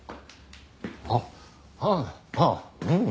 あっああああうん。